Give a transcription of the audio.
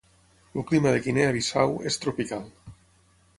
El clima de Guinea Bissau és tropical.